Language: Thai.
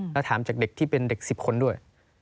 แล้วถามจากเด็กที่เป็นเด็ก๑๐คนด้วย